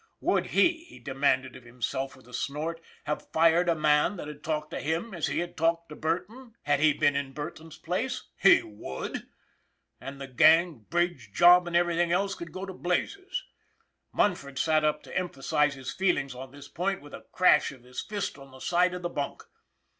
Would he, he demanded of himself with a snort, have fired a man that had talked to him as he had talked to Burton, had he been in Burton's place? He would! And the gang, bridge, job and everything else could go to blazes! Munford sat up to emphasize his feelings on this point with a crash of his fist on the side of the bunk.